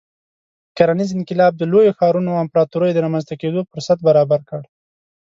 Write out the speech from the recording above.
کرنیز انقلاب د لویو ښارونو او امپراتوریو د رامنځته کېدو فرصت برابر کړ.